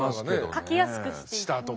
書きやすくしていった。